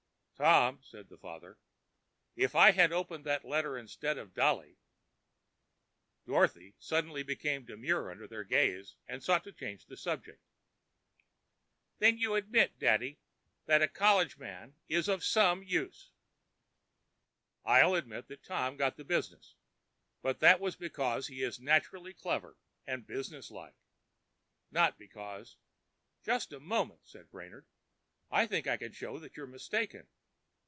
"Tom," said the father, "if I had opened that letter instead of Dolly!" Dorothy suddenly became demure under their gaze and sought to change the subject. "Then you admit, daddy, that a college man is of some use?" "I'll admit that Tom got the business. But that was because he is naturally clever and business like, not because——" "Just a moment," said Brainard. "I think I can show that you're mistaken.